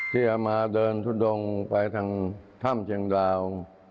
ที่จะมาเดินทุดงไปทางถ้ำเชียงดาว